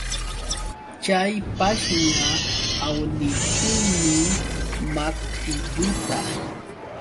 Chay pashña awnirqunmi maqtilluta.